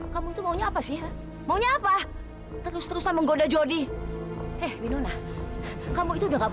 kutécole mereka mulai lemah